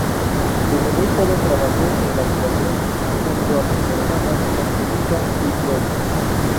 Desde muy joven trabajó en la actuación junto a sus hermanas Angelita y Gloria.